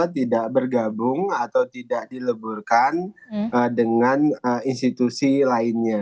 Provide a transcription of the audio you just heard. tidak bergabung atau tidak dileburkan dengan institusi lainnya